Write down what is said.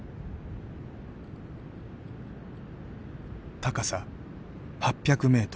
高さ８００ｍ。